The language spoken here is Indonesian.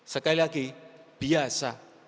sekali lagi biasa